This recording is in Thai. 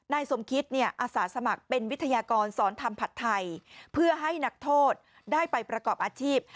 นายสมคิตเนี่ยอาสาสมัครเป็นวิทยากรสอนทำผัดไทยเพื่อให้นักโทษได้ไปประกอบอาชีพ